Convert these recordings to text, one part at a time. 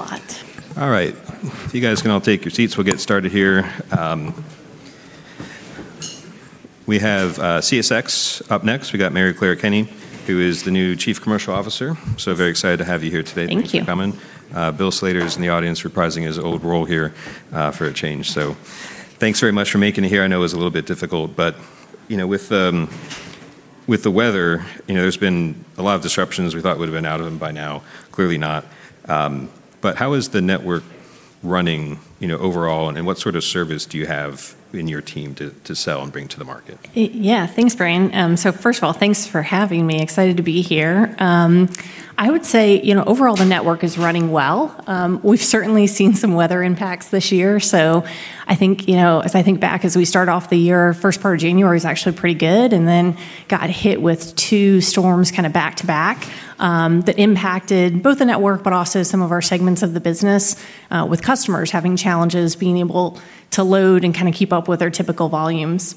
A lot. All right. You guys can all take your seats. We'll get started here. We have CSX up next. We got Maryclare Kenney, who is the new Chief Commercial Officer. Very excited to have you here today. Thank you. Thanks for coming. Bill Slater is in the audience reprising his old role here, for a change. Thanks very much for making it here. I know it was a little bit difficult, but, you know, with the weather, you know, there's been a lot of disruptions we thought we'd have been out of them by now. Clearly not. How is the network running, you know, overall, and what sort of service do you have in your team to sell and bring to the market? Yeah. Thanks, Brian. First of all, thanks for having me. Excited to be here. I would say, you know, overall, the network is running well. We've certainly seen some weather impacts this year, so I think, you know, as I think back as we start off the year, first part of January is actually pretty good, and then got hit with two storms kind of back to back, that impacted both the network, but also some of our segments of the business, with customers having challenges being able to load and kinda keep up with their typical volumes.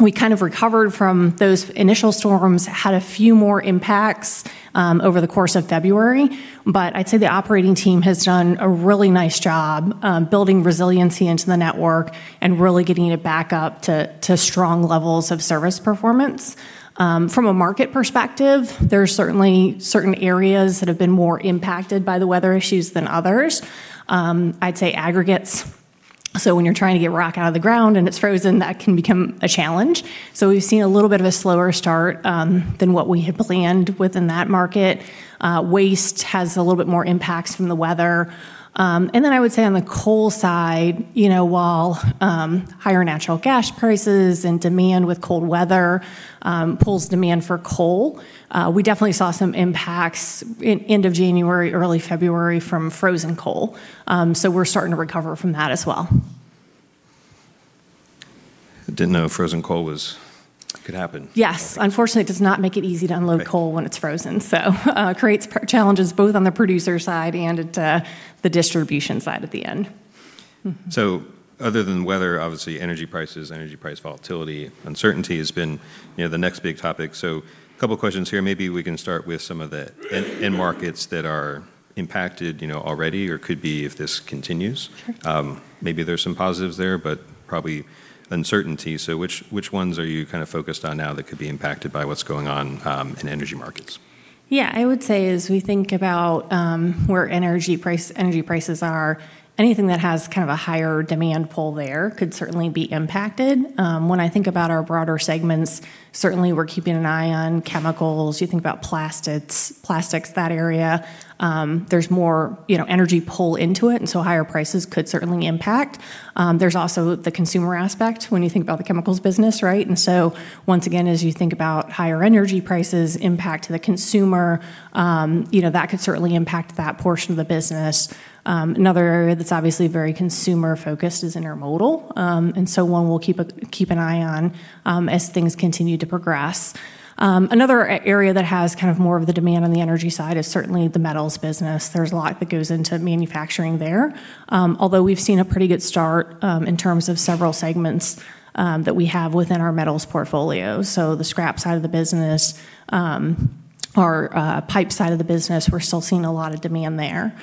We kind of recovered from those initial storms, had a few more impacts over the course of February, but I'd say the operating team has done a really nice job building resiliency into the network and really getting it back up to strong levels of service performance. From a market perspective, there are certainly certain areas that have been more impacted by the weather issues than others. I'd say aggregates, so when you're trying to get rock out of the ground and it's frozen, that can become a challenge. We've seen a little bit of a slower start than what we had planned within that market. Waste has a little bit more impacts from the weather. I would say on the coal side, you know, while higher natural gas prices and demand with cold weather pulls demand for coal, we definitely saw some impacts end of January, early February from frozen coal. We're starting to recover from that as well. Didn't know frozen coal could happen. Yes. Unfortunately, it does not make it easy to unload coal when it's frozen. Creates challenges both on the producer side and at the distribution side at the end. Other than weather, obviously energy prices, energy price volatility, uncertainty has been, you know, the next big topic. Couple questions here. Maybe we can start with some of the end markets that are impacted, you know, already or could be if this continues. Sure. Maybe there's some positives there, but probably uncertainty. Which ones are you kind of focused on now that could be impacted by what's going on in energy markets? Yeah. I would say as we think about where energy prices are, anything that has kind of a higher demand pull there could certainly be impacted. When I think about our broader segments, certainly we're keeping an eye on chemicals. You think about plastics, that area, there's more, you know, energy pull into it, and so higher prices could certainly impact. There's also the consumer aspect when you think about the chemicals business, right? Once again, as you think about higher energy prices impact the consumer, you know, that could certainly impact that portion of the business. Another area that's obviously very consumer-focused is intermodal, and so one we'll keep an eye on as things continue to progress. Another area that has kind of more of the demand on the energy side is certainly the metals business. There's a lot that goes into manufacturing there. Although we've seen a pretty good start in terms of several segments that we have within our metals portfolio. The scrap side of the business, our pipe side of the business, we're still seeing a lot of demand there.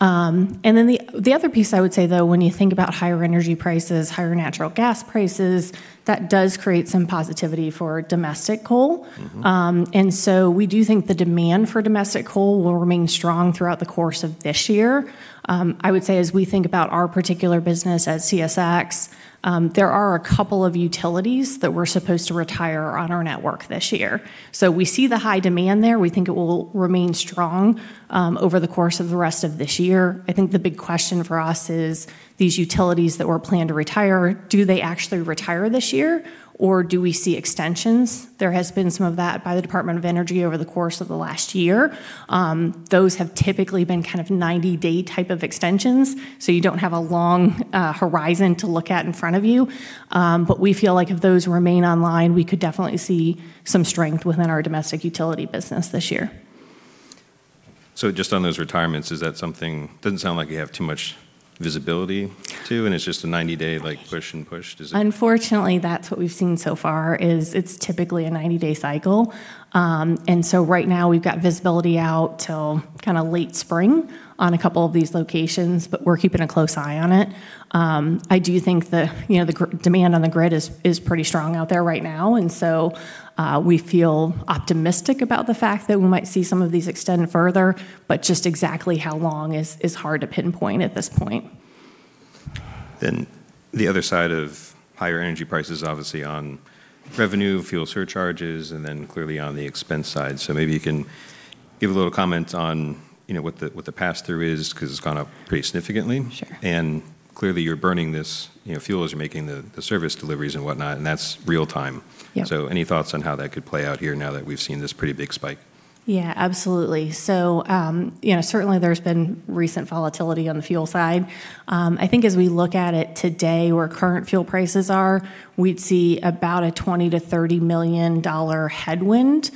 The other piece I would say, though, when you think about higher energy prices, higher natural gas prices, that does create some positivity for domestic coal. Mm-hmm. We do think the demand for domestic coal will remain strong throughout the course of this year. I would say as we think about our particular business at CSX, there are a couple of utilities that are supposed to retire on our network this year. We see the high demand there. We think it will remain strong over the course of the rest of this year. I think the big question for us is these utilities that were planned to retire, do they actually retire this year, or do we see extensions? There has been some of that by the Department of Energy over the course of the last year. Those have typically been kind of 90-day type of extensions, so you don't have a long horizon to look at in front of you. We feel like if those remain online, we could definitely see some strength within our domestic utility business this year. Just on those retirements, is that something. Doesn't sound like you have too much visibility to, and it's just a 90-day, like, push and push to- Unfortunately, that's what we've seen so far, is it's typically a 90-day cycle. Right now we've got visibility out till kinda late spring on a couple of these locations, but we're keeping a close eye on it. I do think the, you know, the demand on the grid is pretty strong out there right now, and so, we feel optimistic about the fact that we might see some of these extended further, but just exactly how long is hard to pinpoint at this point. The other side of higher energy prices, obviously on revenue, fuel surcharges, and then clearly on the expense side. Maybe you can give a little comment on, you know, what the pass-through is, 'cause it's gone up pretty significantly. Sure. Clearly you're burning this, you know, fuel as you're making the service deliveries and whatnot, and that's real time. Yeah. Any thoughts on how that could play out here now that we've seen this pretty big spike? Yeah, absolutely. You know, certainly there's been recent volatility on the fuel side. I think as we look at it today, where current fuel prices are, we'd see about a $20 million-$30 million headwind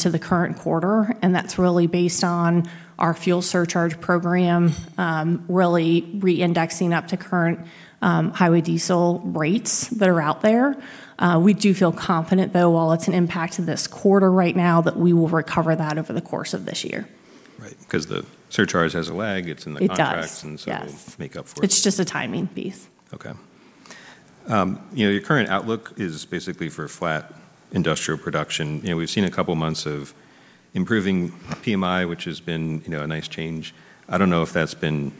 to the current quarter, and that's really based on our fuel surcharge program, really re-indexing up to current highway diesel rates that are out there. We do feel confident, though, while it's an impact to this quarter right now, that we will recover that over the course of this year. Right. 'Cause the surcharge has a lag. It's in the contract. It does. Yes. It'll make up for it. It's just a timing piece. Okay, you know, your current outlook is basically for flat industrial production. You know, we've seen a couple months of improving PMI, which has been, you know, a nice change. I don't know if that's been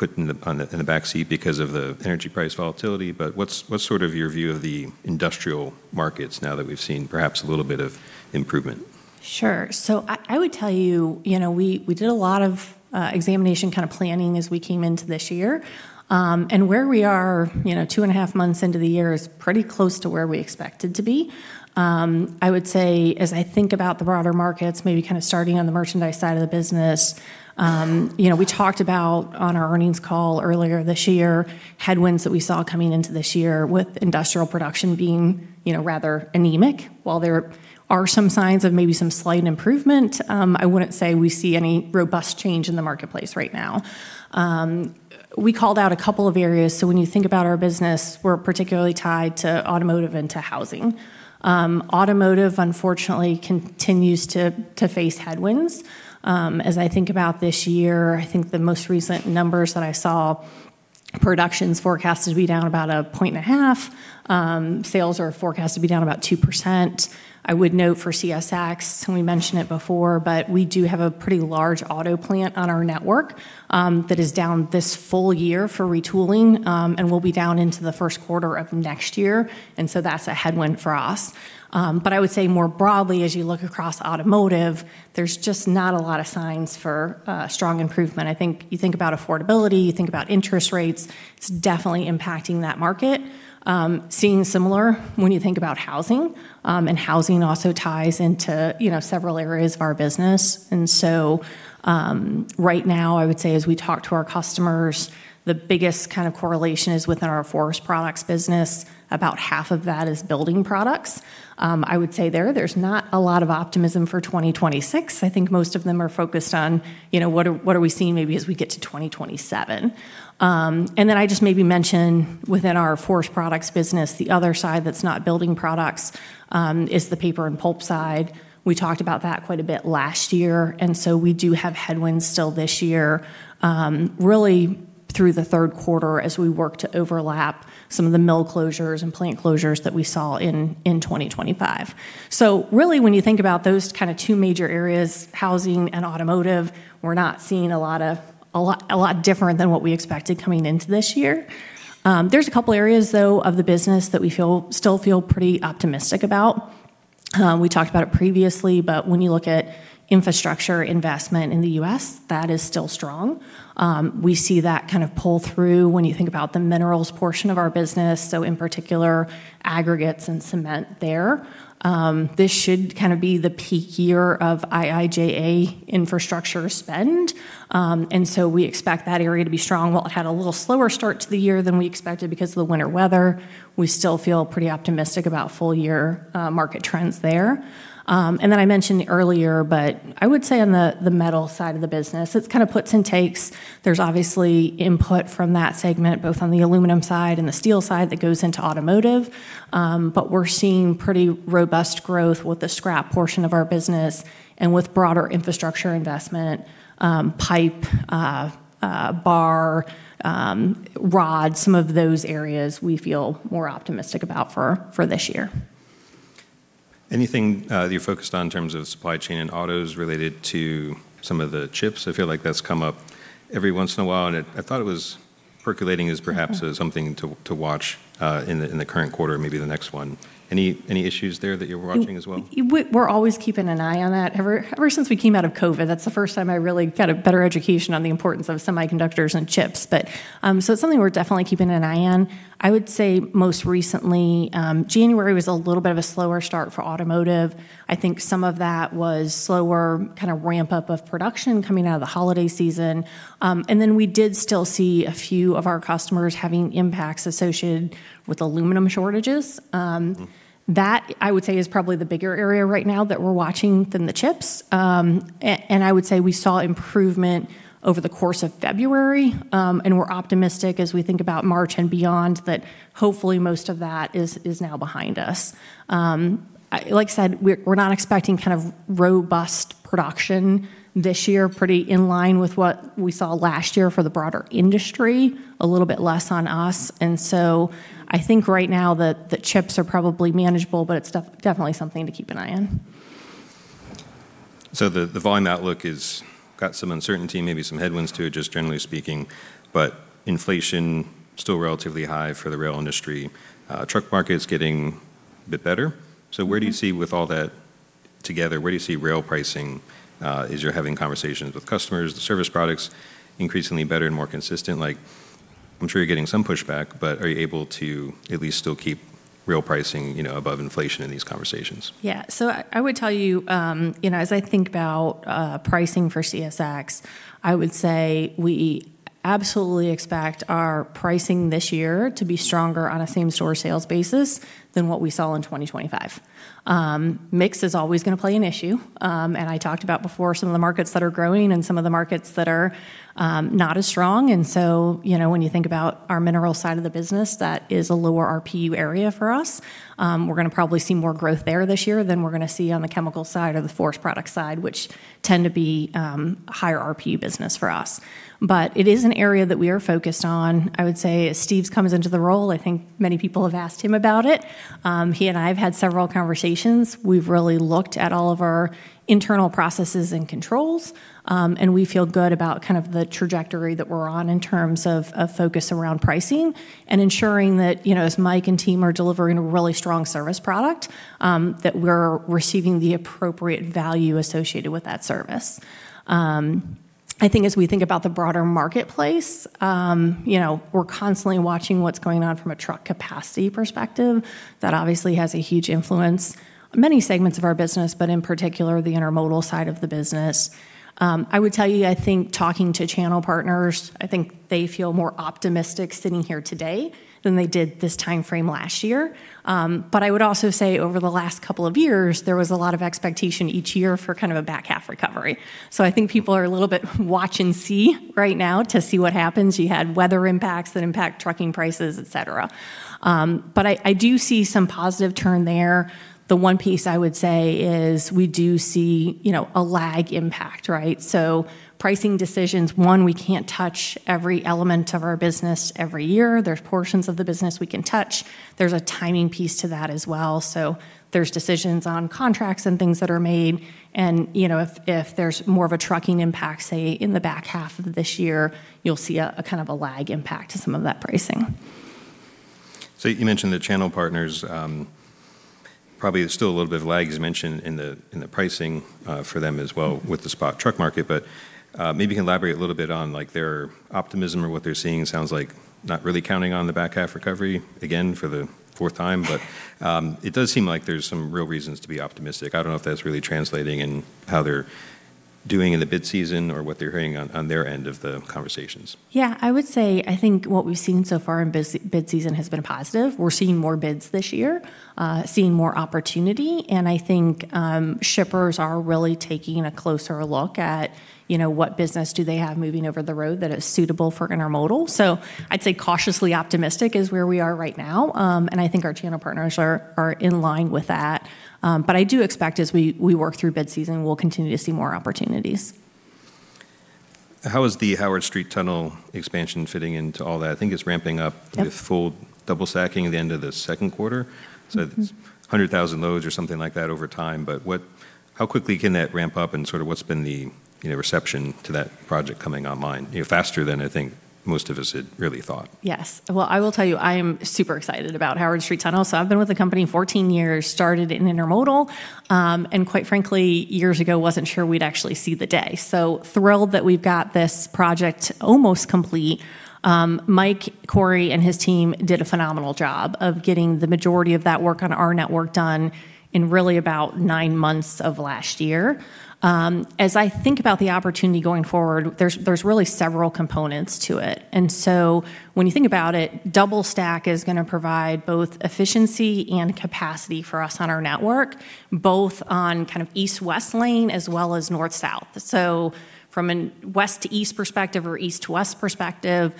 put in the backseat because of the energy price volatility, but what's sort of your view of the industrial markets now that we've seen perhaps a little bit of improvement? Sure. I would tell you know, we did a lot of examination kind of planning as we came into this year. Where we are, you know, two and a half months into the year is pretty close to where we expected to be. I would say as I think about the broader markets, maybe kind of starting on the merchandise side of the business, you know, we talked about on our earnings call earlier this year, headwinds that we saw coming into this year with industrial production being, you know, rather anemic. While there are some signs of maybe some slight improvement, I wouldn't say we see any robust change in the marketplace right now. We called out a couple of areas, so when you think about our business, we're particularly tied to automotive and to housing. Automotive, unfortunately, continues to face headwinds. As I think about this year, I think the most recent numbers that I saw, production's forecasted to be down about 1.5%. Sales are forecasted to be down about 2%. I would note for CSX, and we mentioned it before, but we do have a pretty large auto plant on our network, that is down this full year for retooling, and will be down into the first quarter of next year. That's a headwind for us. I would say more broadly, as you look across automotive, there's just not a lot of signs for strong improvement. I think you think about affordability, you think about interest rates, it's definitely impacting that market. Seeing similar when you think about housing, and housing also ties into, you know, several areas of our business. Right now, I would say as we talk to our customers, the biggest kind of correlation is within our forest products business. About half of that is building products. I would say there's not a lot of optimism for 2026. I think most of them are focused on, you know, what are we seeing maybe as we get to 2027. I'd just maybe mention within our forest products business, the other side that's not building products, is the paper and pulp side. We talked about that quite a bit last year, and so we do have headwinds still this year, really through the third quarter as we work to overlap some of the mill closures and plant closures that we saw in 2025. Really when you think about those kind of two major areas, housing and automotive, we're not seeing a lot different than what we expected coming into this year. There's a couple areas, though, of the business that we still feel pretty optimistic about. We talked about it previously, but when you look at infrastructure investment in the U.S., that is still strong. We see that kind of pull through when you think about the minerals portion of our business, so in particular aggregates and cement there. This should kind of be the peak year of IIJA infrastructure spend. We expect that area to be strong. While it had a little slower start to the year than we expected because of the winter weather, we still feel pretty optimistic about full year market trends there. I mentioned earlier, but I would say on the metal side of the business, it's kind of puts and takes. There's obviously input from that segment, both on the aluminum side and the steel side that goes into automotive. We're seeing pretty robust growth with the scrap portion of our business and with broader infrastructure investment, pipe, bar, rod, some of those areas we feel more optimistic about for this year. Anything that you're focused on in terms of supply chain and autos related to some of the chips? I feel like that's come up every once in a while, and it, I thought it was percolating as perhaps something to watch in the current quarter, maybe the next one. Any issues there that you're watching as well? We're always keeping an eye on that. Ever since we came out of COVID, that's the first time I really got a better education on the importance of semiconductors and chips. It's something we're definitely keeping an eye on. I would say most recently, January was a little bit of a slower start for automotive. I think some of that was slower kind of ramp-up of production coming out of the holiday season. We did still see a few of our customers having impacts associated with aluminum shortages. That I would say is probably the bigger area right now that we're watching than the chips. I would say we saw improvement over the course of February, and we're optimistic as we think about March and beyond that hopefully most of that is now behind us. Like I said, we're not expecting kind of robust production this year, pretty in line with what we saw last year for the broader industry, a little bit less on us. I think right now the chips are probably manageable, but it's definitely something to keep an eye on. The volume outlook has got some uncertainty, maybe some headwinds to it, just generally speaking, but inflation still relatively high for the rail industry. Truck market's getting a bit better. Where do you see with all that together, where do you see rail pricing? As you're having conversations with customers, the service products increasingly better and more consistent, like I'm sure you're getting some pushback, but are you able to at least still keep rail pricing, you know, above inflation in these conversations? I would tell you know, as I think about pricing for CSX, I would say we absolutely expect our pricing this year to be stronger on a same-store sales basis than what we saw in 2025. Mix is always gonna play an issue, and I talked about before some of the markets that are growing and some of the markets that are not as strong. You know, when you think about our mineral side of the business, that is a lower RPU area for us. We're gonna probably see more growth there this year than we're gonna see on the chemical side or the forest product side, which tend to be a higher RPU business for us. But it is an area that we are focused on. I would say as Steve comes into the role, I think many people have asked him about it. He and I have had several conversations. We've really looked at all of our internal processes and controls, and we feel good about kind of the trajectory that we're on in terms of focus around pricing and ensuring that, you know, as Mike and team are delivering a really strong service product, that we're receiving the appropriate value associated with that service. I think as we think about the broader marketplace, you know, we're constantly watching what's going on from a truck capacity perspective. That obviously has a huge influence on many segments of our business, but in particular, the intermodal side of the business. I would tell you, I think talking to channel partners, I think they feel more optimistic sitting here today than they did this timeframe last year. But I would also say over the last couple of years, there was a lot of expectation each year for kind of a back half recovery. I think people are a little bit wait and see right now to see what happens. You had weather impacts that impact trucking prices, et cetera. I do see some positive turn there. The one piece I would say is we do see, you know, a lag impact, right? Pricing decisions, one, we can't touch every element of our business every year. There's portions of the business we can touch. There's a timing piece to that as well. There's decisions on contracts and things that are made and, you know, if there's more of a trucking impact, say, in the back half of this year, you'll see a kind of a lag impact to some of that pricing. You mentioned the channel partners, probably there's still a little bit of lag, as you mentioned, in the pricing for them as well with the spot truck market. Maybe you can elaborate a little bit on, like, their optimism or what they're seeing. It sounds like not really counting on the back half recovery again for the fourth time. It does seem like there's some real reasons to be optimistic. I don't know if that's really translating in how they're doing in the bid season or what they're hearing on their end of the conversations. Yeah. I would say I think what we've seen so far in bid season has been positive. We're seeing more bids this year, seeing more opportunity, and I think shippers are really taking a closer look at, you know, what business do they have moving over the road that is suitable for intermodal. I'd say cautiously optimistic is where we are right now, and I think our channel partners are in line with that. I do expect as we work through bid season, we'll continue to see more opportunities. How is the Howard Street Tunnel expansion fitting into all that? I think it's ramping up. Yep. With full double stacking at the end of the second quarter. Mm-hmm. It's 100,000 loads or something like that over time. How quickly can that ramp up and sort of what's been the, you know, reception to that project coming online, you know, faster than I think most of us had really thought? Yes. Well, I will tell you, I am super excited about Howard Street Tunnel. I've been with the company 14 years, started in intermodal, and quite frankly, years ago, wasn't sure we'd actually see the day. Thrilled that we've got this project almost complete. Mike Cory and his team did a phenomenal job of getting the majority of that work on our network done in really about nine months of last year. As I think about the opportunity going forward, there's really several components to it. When you think about it, double stack is gonna provide both efficiency and capacity for us on our network, both on kind of east-west lane as well as north-south. From a west to east perspective or east to west perspective,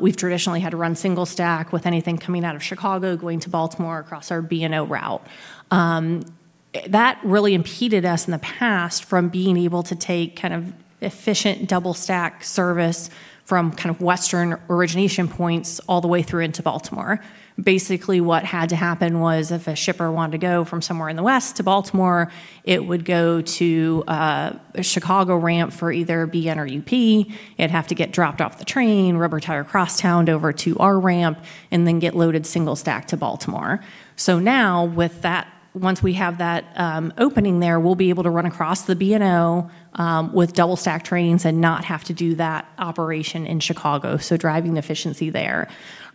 we've traditionally had to run single stack with anything coming out of Chicago going to Baltimore across our B&O route. That really impeded us in the past from being able to take kind of efficient double stack service from kind of western origination points all the way through into Baltimore. Basically, what had to happen was if a shipper wanted to go from somewhere in the west to Baltimore, it would go to a Chicago ramp for either BN or UP. It'd have to get dropped off the train, rubber tire crosstowned over to our ramp, and then get loaded single stack to Baltimore. Now with that, once we have that, opening there, we'll be able to run across the B&O with double stack trains and not have to do that operation in Chicago, so driving efficiency there.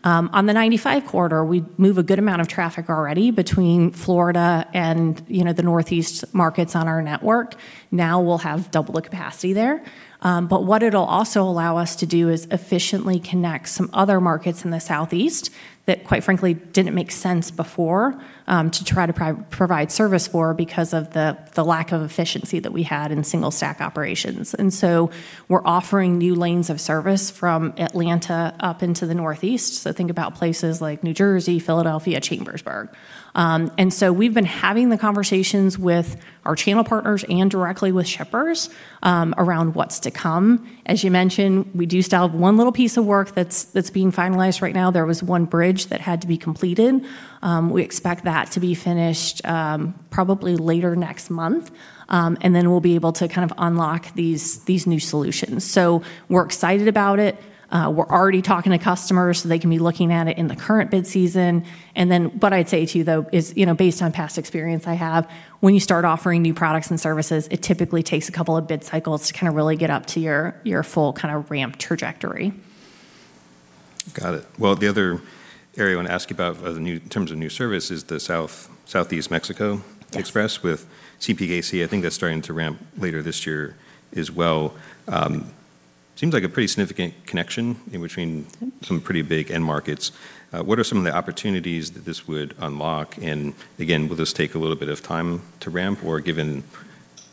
On the 95 corridor, we move a good amount of traffic already between Florida and, you know, the Northeast markets on our network. Now we'll have double the capacity there. What it'll also allow us to do is efficiently connect some other markets in the Southeast that, quite frankly, didn't make sense before, to try to provide service for because of the lack of efficiency that we had in single stack operations. We're offering new lanes of service from Atlanta up into the Northeast, so think about places like New Jersey, Philadelphia, Chambersburg. We've been having the conversations with our channel partners and directly with shippers, around what's to come. As you mentioned, we do still have one little piece of work that's being finalized right now. There was one bridge that had to be completed. We expect that to be finished, probably later next month, and then we'll be able to kind of unlock these new solutions. We're excited about it. We're already talking to customers, so they can be looking at it in the current bid season. What I'd say to you, though, is, you know, based on past experience I have, when you start offering new products and services, it typically takes a couple of bid cycles to kind of really get up to your full kind of ramp trajectory. Got it. Well, the other area I want to ask you about, in terms of new service is the Southeast Mexico Express with CPKC. I think that's starting to ramp later this year as well. Seems like a pretty significant connection in between some pretty big end markets. What are some of the opportunities that this would unlock? Again, will this take a little bit of time to ramp, or given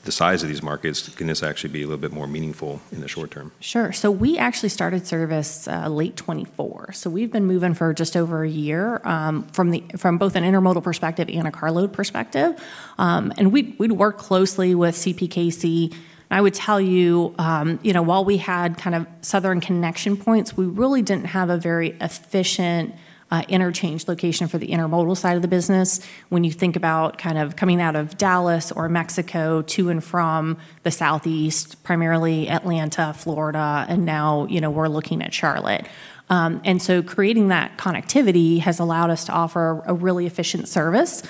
the size of these markets, can this actually be a little bit more meaningful in the short term? Sure. We actually started service, late 2024. We've been moving for just over a year, from both an intermodal perspective and a carload perspective. We'd worked closely with CPKC. I would tell you know, while we had kind of southern connection points, we really didn't have a very efficient, interchange location for the intermodal side of the business. When you think about kind of coming out of Dallas or Mexico to and from the Southeast, primarily Atlanta, Florida, and now, you know, we're looking at Charlotte. Creating that connectivity has allowed us to offer a really efficient service.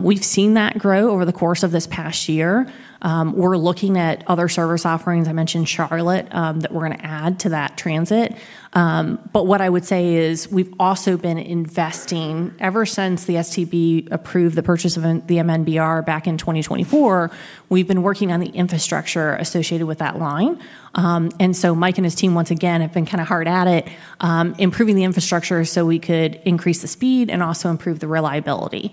We've seen that grow over the course of this past year. We're looking at other service offerings, I mentioned Charlotte, that we're gonna add to that transit. What I would say is we've also been investing. Ever since the STB approved the purchase of the Meridian & Bigbee Railroad back in 2024, we've been working on the infrastructure associated with that line. Mike and his team, once again, have been kinda hard at it, improving the infrastructure so we could increase the speed and also improve the reliability.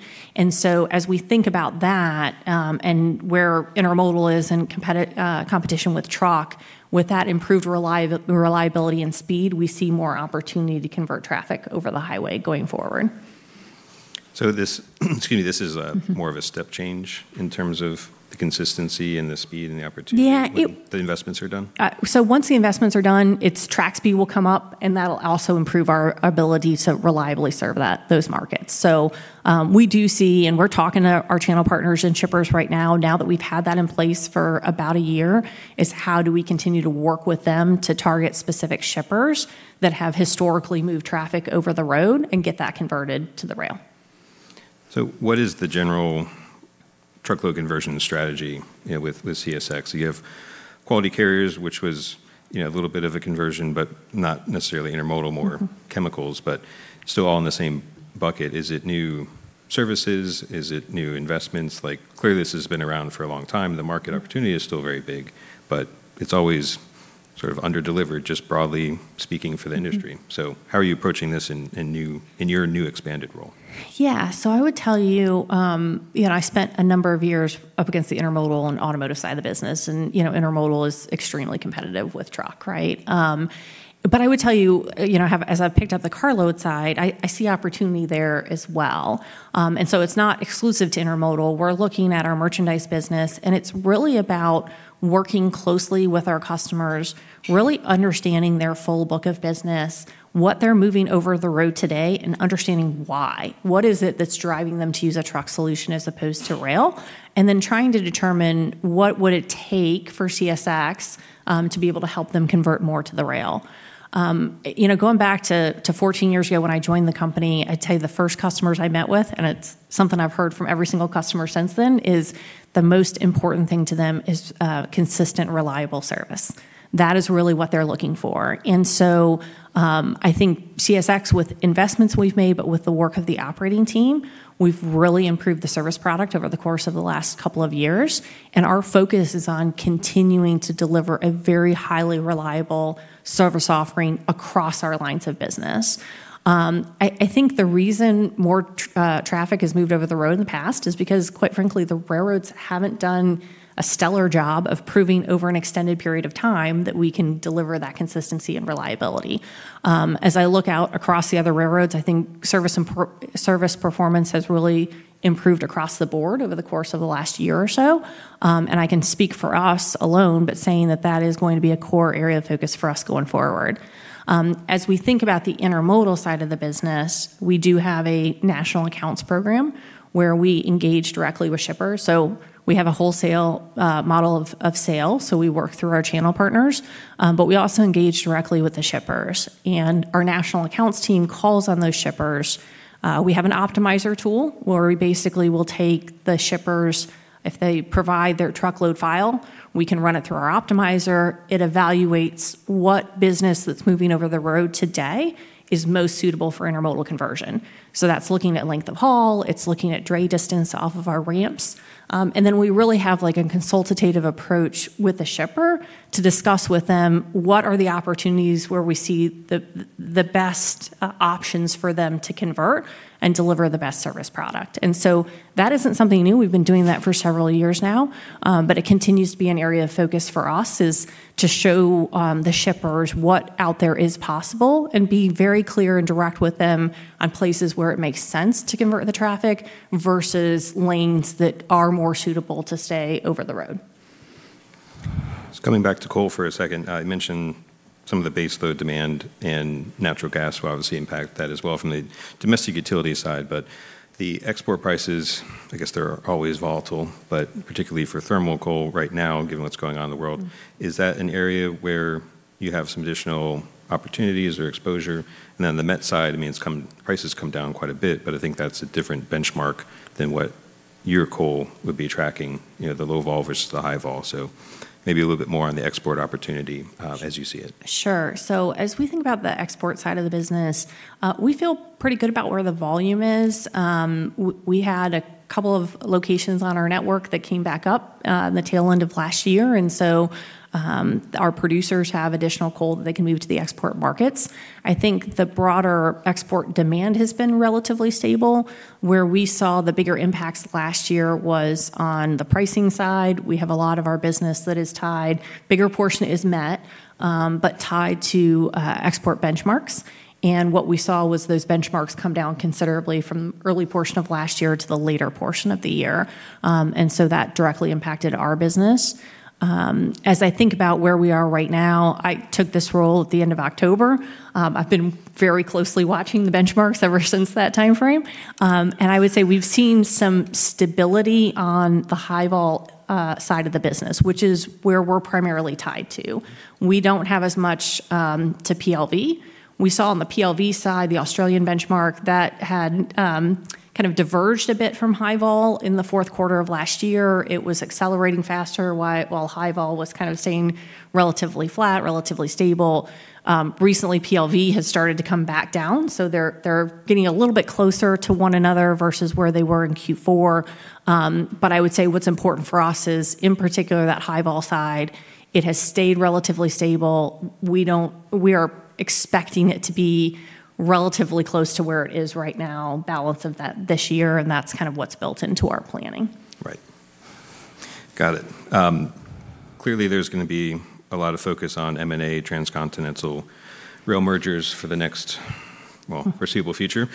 As we think about that, and where intermodal is in competition with truck, with that improved reliability and speed, we see more opportunity to convert traffic over the highway going forward. This is a more of a step change in terms of the consistency and the speed and the opportunity. Yeah. The investments are done? Once the investments are done, its track speed will come up, and that'll also improve our ability to reliably serve those markets. We do see, and we're talking to our channel partners and shippers right now that we've had that in place for about a year, is how do we continue to work with them to target specific shippers that have historically moved traffic over the road and get that converted to the rail. What is the general truckload conversion strategy, you know, with CSX? You have Quality Carriers, which was, you know, a little bit of a conversion, but not necessarily intermodal, more chemicals, but still all in the same bucket. Is it new services? Is it new investments? Like, clearly, this has been around for a long time. The market opportunity is still very big, but it's always sort of underdelivered, just broadly speaking for the industry. How are you approaching this in your new expanded role? Yeah. I would tell you know, I spent a number of years up against the intermodal and automotive side of the business, and, you know, intermodal is extremely competitive with truck, right? I would tell you know, as I've picked up the carload side, I see opportunity there as well. It's not exclusive to intermodal. We're looking at our merchandise business, and it's really about working closely with our customers, really understanding their full book of business, what they're moving over the road today, and understanding why. What is it that's driving them to use a truck solution as opposed to rail? Trying to determine what would it take for CSX to be able to help them convert more to the rail. You know, going back to 14 years ago when I joined the company, I tell you the first customers I met with, and it's something I've heard from every single customer since then, is the most important thing to them is consistent, reliable service. That is really what they're looking for. I think CSX, with investments we've made, but with the work of the operating team, we've really improved the service product over the course of the last couple of years, and our focus is on continuing to deliver a very highly reliable service offering across our lines of business. I think the reason traffic has moved over the road in the past is because, quite frankly, the railroads haven't done a stellar job of proving over an extended period of time that we can deliver that consistency and reliability. As I look out across the other railroads, I think service performance has really improved across the board over the course of the last year or so. I can speak for us alone, but saying that that is going to be a core area of focus for us going forward. As we think about the intermodal side of the business, we do have a national accounts program where we engage directly with shippers. We have a wholesale model of sale, so we work through our channel partners. We also engage directly with the shippers. Our national accounts team calls on those shippers. We have an optimizer tool where we basically will take the shippers, if they provide their truckload file, we can run it through our optimizer. It evaluates what business that's moving over the road today is most suitable for intermodal conversion. That's looking at length of haul, it's looking at dray distance off of our ramps. We really have, like, a consultative approach with the shipper to discuss with them what are the opportunities where we see the best options for them to convert and deliver the best service product. That isn't something new. We've been doing that for several years now. It continues to be an area of focus for us, is to show the shippers what out there is possible and be very clear and direct with them on places where it makes sense to convert the traffic versus lanes that are more suitable to stay over the road. Just coming back to coal for a second. I mentioned some of the base load demand and natural gas will obviously impact that as well from the domestic utility side. The export prices, I guess they're always volatile, but particularly for thermal coal right now, given what's going on in the world. Is that an area where you have some additional opportunities or exposure? And on the met side, I mean, prices come down quite a bit, but I think that's a different benchmark than what your coal would be tracking, you know, the low vol versus the high vol. Maybe a little bit more on the export opportunity, as you see it. Sure. As we think about the export side of the business, we feel pretty good about where the volume is. We had a couple of locations on our network that came back up, in the tail end of last year. Our producers have additional coal that they can move to the export markets. I think the broader export demand has been relatively stable. Where we saw the bigger impacts last year was on the pricing side. We have a lot of our business that is tied, bigger portion is met, but tied to, export benchmarks. What we saw was those benchmarks come down considerably from early portion of last year to the later portion of the year. That directly impacted our business. As I think about where we are right now, I took this role at the end of October. I've been very closely watching the benchmarks ever since that timeframe. I would say we've seen some stability on the high vol side of the business, which is where we're primarily tied to. We don't have as much to PLV. We saw on the PLV side, the Australian benchmark that had kind of diverged a bit from high vol in the fourth quarter of last year. It was accelerating faster while high vol was kind of staying relatively flat, relatively stable. Recently, PLV has started to come back down, so they're getting a little bit closer to one another versus where they were in Q4. I would say what's important for us is, in particular, that high vol side, it has stayed relatively stable. We are expecting it to be relatively close to where it is right now, balance of the year, and that's kind of what's built into our planning. Right. Got it. Clearly there's gonna be a lot of focus on M&A transcontinental rail mergers for the next, well, foreseeable future.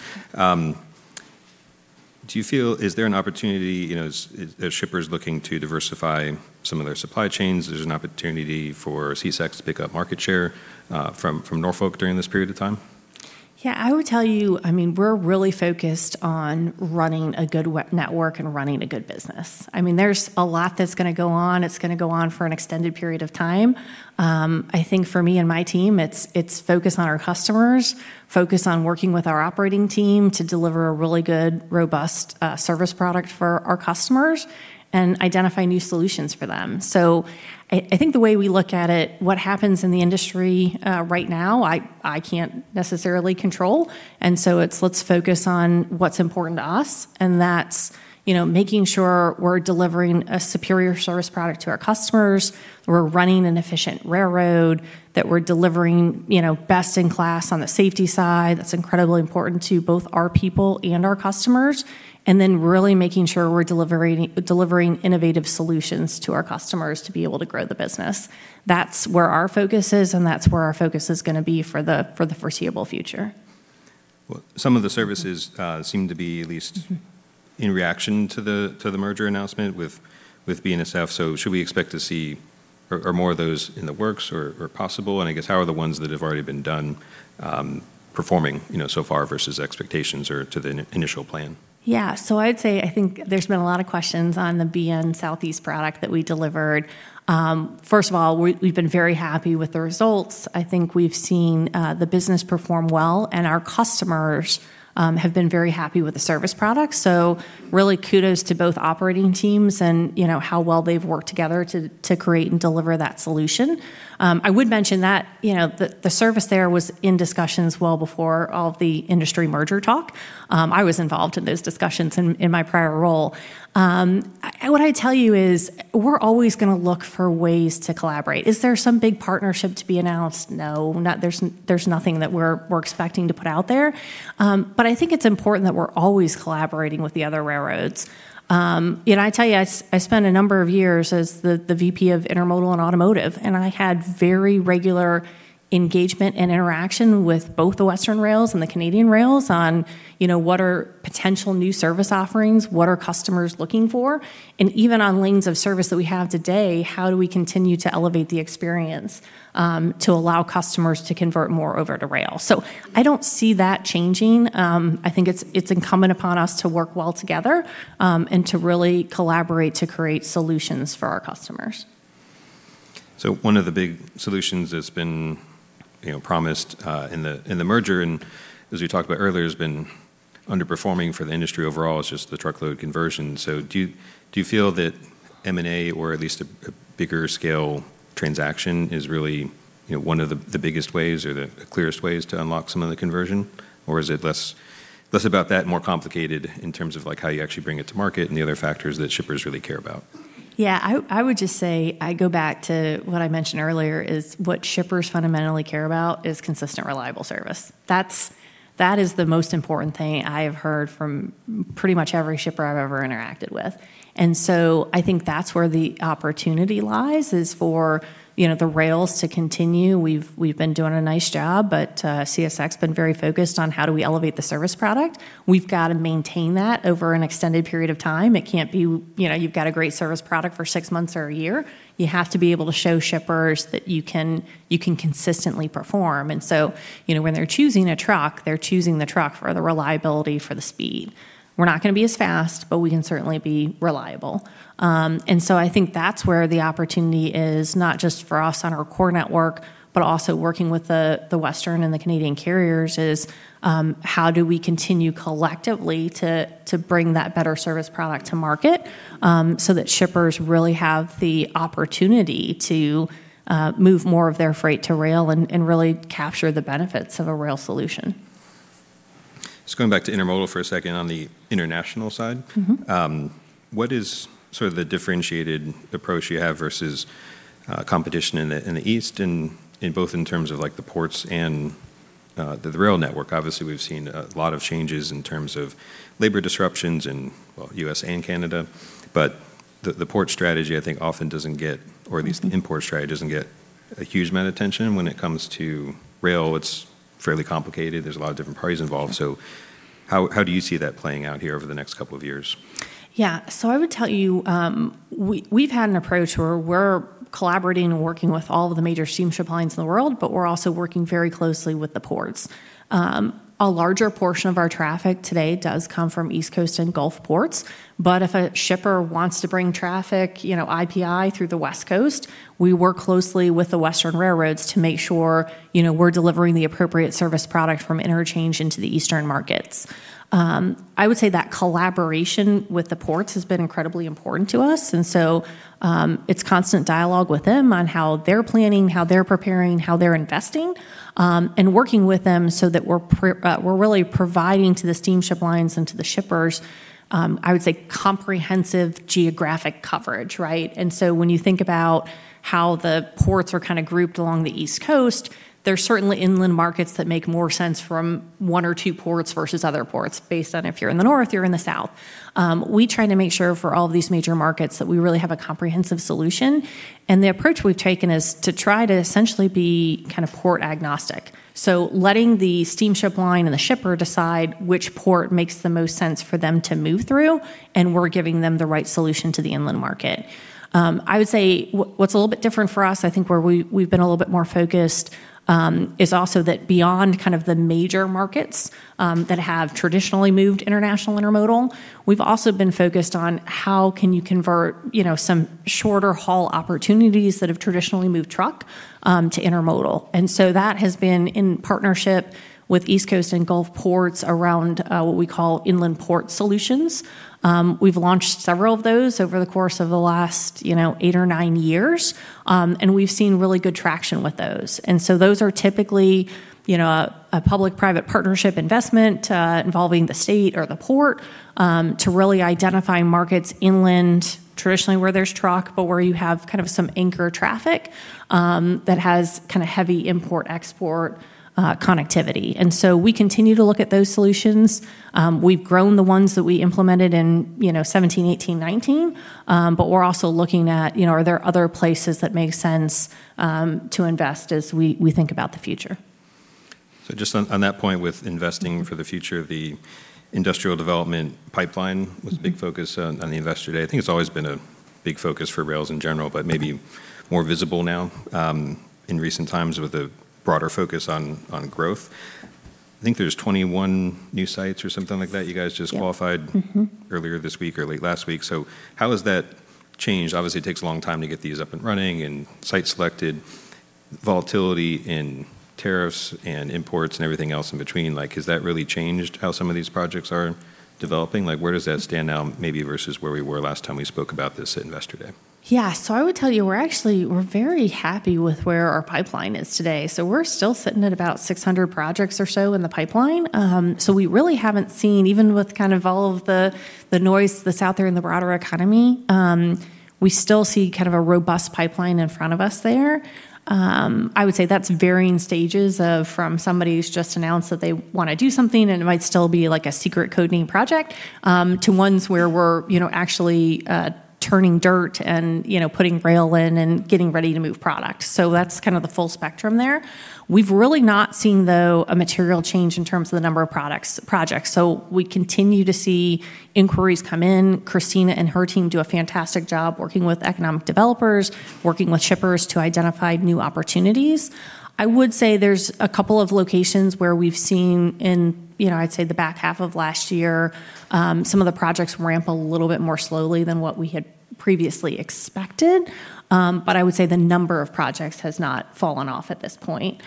Do you feel, is there an opportunity, you know, as shippers looking to diversify some of their supply chains, there's an opportunity for CSX to pick up market share from Norfolk during this period of time? Yeah, I would tell you, I mean, we're really focused on running a good network and running a good business. I mean, there's a lot that's gonna go on. It's gonna go on for an extended period of time. I think for me and my team, it's focus on our customers, focus on working with our operating team to deliver a really good, robust, service product for our customers and identify new solutions for them. I think the way we look at it, what happens in the industry, right now, I can't necessarily control. It's let's focus on what's important to us, and that's, you know, making sure we're delivering a superior service product to our customers, we're running an efficient railroad, that we're delivering, you know, best in class on the safety side. That's incredibly important to both our people and our customers. Really making sure we're delivering innovative solutions to our customers to be able to grow the business. That's where our focus is gonna be for the foreseeable future. Well, some of the services seem to be at least in reaction to the merger announcement with BNSF, so should we expect to see more of those in the works or possible? I guess, how are the ones that have already been done performing, you know, so far versus expectations or to the initial plan? Yeah. I'd say I think there's been a lot of questions on the BNSF Southeast product that we delivered. First of all, we've been very happy with the results. I think we've seen the business perform well, and our customers have been very happy with the service product. Really kudos to both operating teams and, you know, how well they've worked together to create and deliver that solution. I would mention that, you know, the service there was in discussions well before all of the industry merger talk. I was involved in those discussions in my prior role. What I'd tell you is we're always gonna look for ways to collaborate. Is there some big partnership to be announced? No. There's nothing that we're expecting to put out there. I think it's important that we're always collaborating with the other railroads. You know, I tell you, I spent a number of years as the VP of Intermodal and Automotive, and I had very regular engagement and interaction with both the Western rails and the Canadian rails on, you know, what are potential new service offerings? What are customers looking for? And even on lanes of service that we have today, how do we continue to elevate the experience, to allow customers to convert more over to rail? I don't see that changing. I think it's incumbent upon us to work well together, and to really collaborate to create solutions for our customers. One of the big solutions that's been, you know, promised in the merger, and as we talked about earlier, has been underperforming for the industry overall is just the truckload conversion. Do you feel that M&A or at least a bigger scale transaction is really, you know, one of the biggest ways or the clearest ways to unlock some of the conversion? Or is it less about that and more complicated in terms of like how you actually bring it to market and the other factors that shippers really care about? Yeah. I would just say I go back to what I mentioned earlier is what shippers fundamentally care about is consistent, reliable service. That is the most important thing I have heard from pretty much every shipper I've ever interacted with. I think that's where the opportunity lies is for, you know, the rails to continue. We've been doing a nice job, but CSX been very focused on how do we elevate the service product. We've got to maintain that over an extended period of time. It can't be, you know, you've got a great service product for six months or a year. You have to be able to show shippers that you can consistently perform. You know, when they're choosing a truck, they're choosing the truck for the reliability, for the speed. We're not gonna be as fast, but we can certainly be reliable. I think that's where the opportunity is, not just for us on our core network, but also working with the Western and the Canadian carriers, is how do we continue collectively to bring that better service product to market, so that shippers really have the opportunity to move more of their freight to rail and really capture the benefits of a rail solution. Just going back to intermodal for a second on the international side. Mm-hmm. What is sort of the differentiated approach you have versus competition in the East in both in terms of, like, the ports and the rail network? Obviously, we've seen a lot of changes in terms of labor disruptions in, well, U.S. and Canada. But the port strategy, I think, often doesn't get, or at least the import strategy doesn't get a huge amount of attention. When it comes to rail, it's fairly complicated. There's a lot of different parties involved. How do you see that playing out here over the next couple of years? Yeah. I would tell you, we've had an approach where we're collaborating and working with all of the major steamship lines in the world, but we're also working very closely with the ports. A larger portion of our traffic today does come from East Coast and Gulf ports. If a shipper wants to bring traffic, you know, IPI through the West Coast, we work closely with the western railroads to make sure, you know, we're delivering the appropriate service product from interchange into the eastern markets. I would say that collaboration with the ports has been incredibly important to us, and so, it's constant dialogue with them on how they're planning, how they're preparing, how they're investing, and working with them so that we're really providing to the steamship lines and to the shippers, I would say comprehensive geographic coverage, right? When you think about how the ports are kinda grouped along the East Coast, there's certainly inland markets that make more sense from one or two ports versus other ports based on if you're in the north or you're in the south. We try to make sure for all of these major markets that we really have a comprehensive solution, and the approach we've taken is to try to essentially be kind of port agnostic. Letting the steamship line and the shipper decide which port makes the most sense for them to move through, and we're giving them the right solution to the inland market. I would say what's a little bit different for us, I think where we've been a little bit more focused, is also that beyond kind of the major markets, that have traditionally moved international intermodal, we've also been focused on how can you convert, you know, some shorter haul opportunities that have traditionally moved truck, to intermodal. That has been in partnership with East Coast and Gulf ports around, what we call inland port solutions. We've launched several of those over the course of the last, you know, eight or nine years. We've seen really good traction with those. Those are typically, you know, a public-private partnership investment, involving the state or the port, to really identify markets inland traditionally where there's truck, but where you have kind of some anchor traffic, that has kinda heavy import-export connectivity. We continue to look at those solutions. We've grown the ones that we implemented in, you know, 2017, 2018, 2019, but we're also looking at, you know, are there other places that make sense, to invest as we think about the future. Just on that point with investing for the future, the industrial development pipeline was a big focus on the Investor Day. I think it's always been a big focus for rails in general, but maybe more visible now in recent times with the broader focus on growth. I think there's 21 new sites or something like that you guys just qualified. Mm-hmm Earlier this week or late last week. How has that changed? Obviously, it takes a long time to get these up and running and site selected. Volatility in tariffs and imports and everything else in between, like, has that really changed how some of these projects are developing? Like, where does that stand now maybe versus where we were last time we spoke about this at Investor Day? Yeah. I would tell you, we're actually very happy with where our pipeline is today. We're still sitting at about 600 projects or so in the pipeline. We really haven't seen, even with kind of all of the noise that's out there in the broader economy, we still see kind of a robust pipeline in front of us there. I would say that's varying stages of, from somebody who's just announced that they wanna do something, and it might still be like a secret codename project, to ones where we're, you know, actually turning dirt and, you know, putting rail in and getting ready to move product. That's kind of the full spectrum there. We've really not seen, though, a material change in terms of the number of projects. We continue to see inquiries come in. Christina and her team do a fantastic job working with economic developers, working with shippers to identify new opportunities. I would say there's a couple of locations where we've seen in, you know, I'd say the back half of last year, some of the projects ramp a little bit more slowly than what we had previously expected. I would say the number of projects has not fallen off at this point.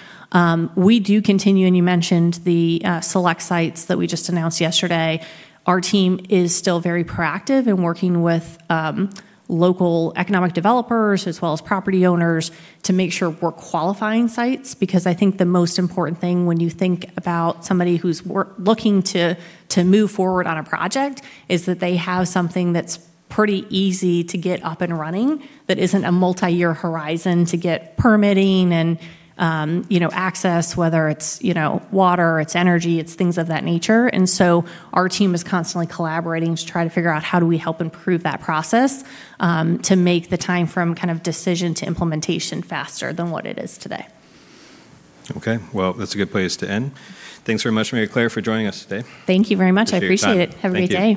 We do continue, and you mentioned the Select Sites that we just announced yesterday. Our team is still very proactive in working with, local economic developers as well as property owners to make sure we're qualifying sites. Because I think the most important thing when you think about somebody who's looking to move forward on a project is that they have something that's pretty easy to get up and running that isn't a multi-year horizon to get permitting and, you know, access, whether it's, you know, water, it's energy, it's things of that nature. Our team is constantly collaborating to try to figure out how do we help improve that process, to make the time from kind of decision to implementation faster than what it is today. Okay. Well, that's a good place to end. Thanks very much, Maryclare, for joining us today. Thank you very much. Appreciate your time. I appreciate it every day.